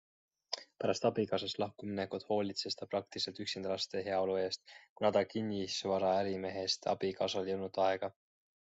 Pärast abikaasast lahkuminekut hoolitses ta praktiliselt üksinda laste heaolu eest, kuna ta kinnisvaraärimehest eksabikaasal ei olnud aega.